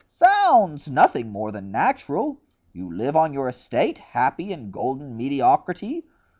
"Zounds! nothing more than natural. You live on your estate, happy in golden mediocrity.